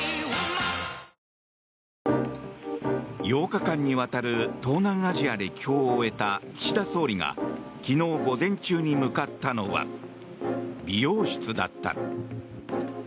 ８日間にわたる東南アジア歴訪を終えた岸田総理が昨日午前中に向かったのは美容室だった。